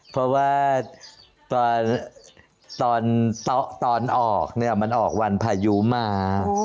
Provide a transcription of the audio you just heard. เพราะว่าตอนออกเนี่ยมันออกวันพายุมา